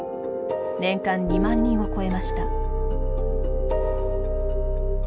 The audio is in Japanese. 年間２万人を超えました。